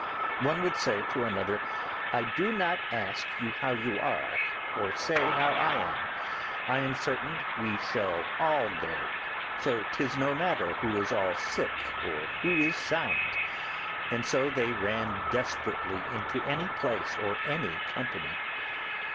One would say to another, 'I do not ask you how you are, or say how I am; it is certain we shall all go; so 'tis no matter who is all sick or who is sound'; and so they ran desperately into any place or any company.